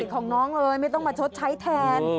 ไม่ใช่ความผิดของน้องเลยไม่ต้องมาชดใช้แทน